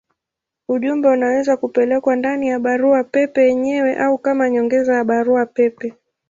Ujumbe unaweza kupelekwa ndani ya barua pepe yenyewe au kama nyongeza ya barua pepe.